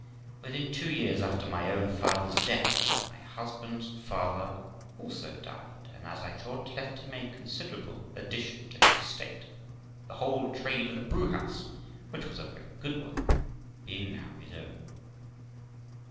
_ Within two years after my own father's death my husband's father also died, and, as I thought, left him a considerable addition to his estate, the whole trade of the brewhouse, which was a very good one, being now his own.